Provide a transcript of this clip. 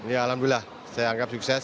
ya alhamdulillah saya anggap sukses